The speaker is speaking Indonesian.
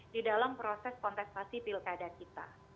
di dalam proses kontestasi pilkada kita